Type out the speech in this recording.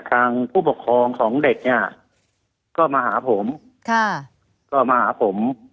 ทางผู้ปกครองของเด็กเนี่ยก็มาหาผมก็มาหาผม